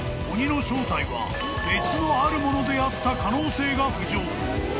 ［鬼の正体は別のあるものであった可能性が浮上］